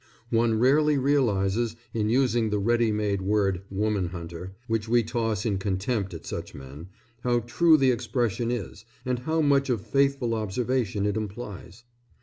One rarely realizes, in using the ready made word "woman hunter," which we toss in contempt at such men, how true the expression is and how much of faithful observation it implies.